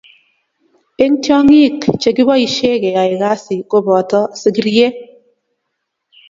Eng tiongiing chje kiboisie keyay kazi koboto sikirie.